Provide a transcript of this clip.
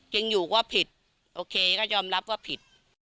จริงอยู่ก็ผิดโอเคก็ยอมรับว่าผิด